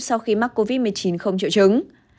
sau khi mắc covid một mươi chín không triệu chứng